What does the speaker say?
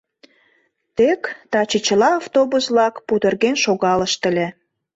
Тек таче чыла автобус-влак пудырген шогалышт ыле...»